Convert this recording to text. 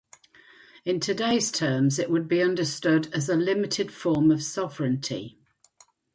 In today's terms, it would be understood as a limited form of sovereignty.